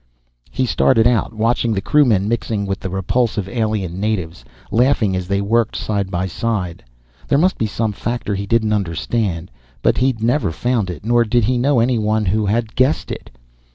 He stared out, watching the crewmen mixing with the repulsive alien natives, laughing as they worked side by side. There must be some factor he didn't understand, but he'd never found it nor did he know anyone who had guessed it.